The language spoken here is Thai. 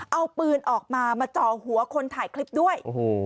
เอาปืนออกมามาจ่อหัวคนถ่ายคลิปด้วย